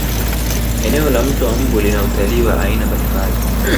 eneo la mto wa mbu lina utalii wa aina mbalimbali